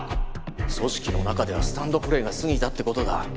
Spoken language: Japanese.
組織の中ではスタンドプレーがすぎたって事だ。